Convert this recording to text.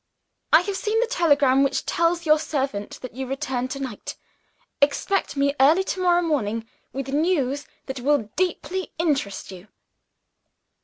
"I have seen the telegram which tells your servant that you return to night. Expect me early to morrow morning with news that will deeply interest you."